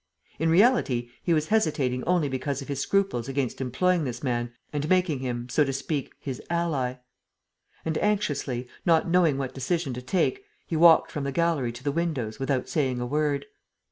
In reality, he was hesitating only because of his scruples against employing this man and making him, so to speak, his ally. And, anxiously, not knowing what decision to take, he walked from the gallery to the windows without saying a word.